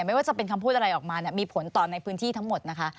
ไม่ว่าจะเป็นคำพูดอะไรออกมาเนี่ยมีผลต่อในพื้นที่ทั้งหมดนะคะ